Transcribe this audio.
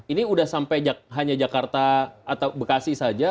ini sudah sampai hanya jakarta atau bekasi saja